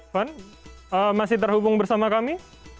van masih terhubung bersama kami